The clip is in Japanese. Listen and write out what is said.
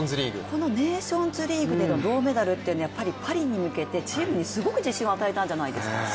このネーションズリーグでは銅メダルというのはパリに向けてチームにすごく自信を与えたんじゃないですか？